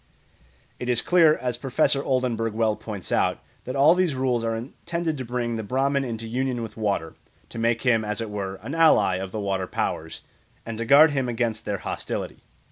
It is clear, as Professor Oldenberg well points out, that "all these rules are intended to bring the Brahman into union with water, to make him, as it were, an ally of the water powers, and to guard him against their hostility.